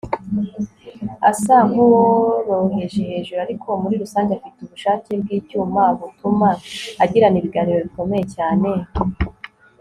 Asa nkuworoheje hejuru ariko muri rusange afite ubushake bwicyuma butuma agirana ibiganiro bikomeye cyane